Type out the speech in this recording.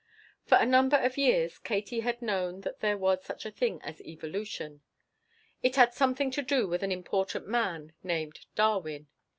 For a number of years Katie had known that there was such a thing as evolution. It had something to do with an important man named Darwin.